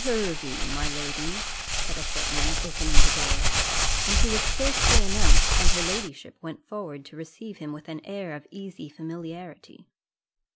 Hervey, my lady," said a footman, opening the door; and he was scarcely announced, when her ladyship went forward to receive him with an air of easy familiarity.